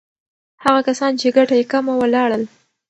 هغه کسان چې ګټه یې کمه وه، لاړل.